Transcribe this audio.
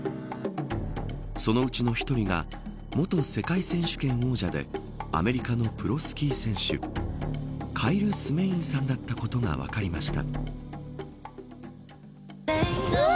そのうちの１人が元世界選手権王者でアメリカのプロスキー選手カイル・スメインさんだったことが分かりました。